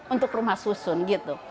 untuk rumah susun gitu